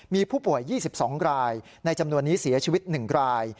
มีผู้ป่วย๒๒รายในจำนวนนี้เสียชีวิต๑ราย